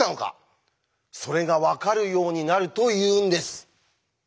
それが分かるようになるというんです。